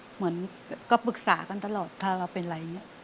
เหมือนก็ปรึกษากันตลอดถ้าเราเป็นอะไรอย่างนี้